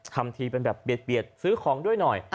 ทำทีเป็นแบบเบียดซื้อของด้วยหน่อย